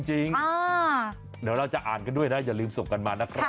เดี๋ยวเราจะอ่านกันด้วยนะอย่าลืมส่งกันมานะครับ